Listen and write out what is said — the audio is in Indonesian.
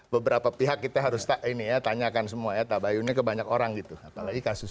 beberapa pihak kita harus tak ini ya tanyakan semua ya tabayunnya ke banyak orang gitu apalagi kasus